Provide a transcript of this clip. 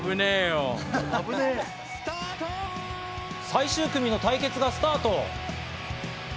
最終組の対決がスタート。